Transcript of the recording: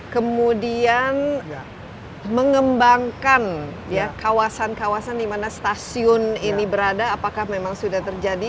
kemudian mengembangkan kawasan kawasan di mana stasiun ini berada apakah memang sudah terjadi